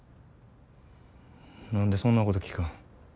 何でそんなこと聞くん。